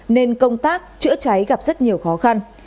nên công tác chữa cháy gặp rất nhiều khó khăn